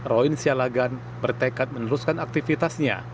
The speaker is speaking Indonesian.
roin sialagan bertekad meneruskan aktivitasnya